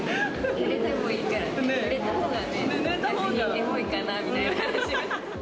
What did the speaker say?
ぬれてもいいから、ぬれたほうがね、逆にエモいかなみたいな。